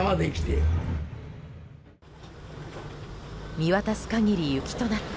見渡す限り雪となった